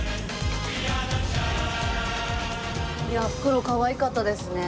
いやふくろうかわいかったですね。